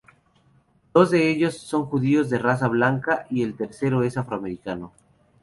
Dos de ellos son judíos de raza blanca y el tercero es afroamericano.